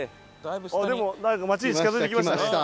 でもなんか町に近づいてきましたね。